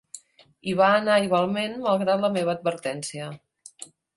Hi va anar igualment, malgrat la meva advertència.